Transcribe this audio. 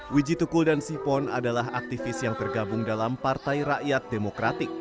wijitukul dan sipon adalah aktivis yang tergabung dalam partai rakyat demokratik